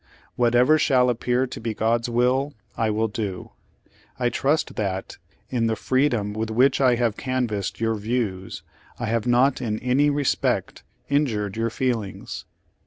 Whatever shall appear to be God's will, I will do. I trust that, in the free dom with which I have canvassed your views, I have not in any respect injured your feelings."